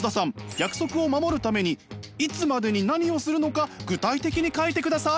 約束を守るためにいつまでに何をするのか具体的に書いてください。